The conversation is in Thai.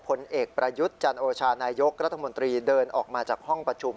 ผลเอกประยุทธ์จันโอชานายกรัฐมนตรีเดินออกมาจากห้องประชุม